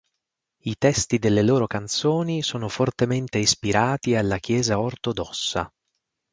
I testi delle loro canzoni sono fortemente ispirati alla chiesa ortodossa.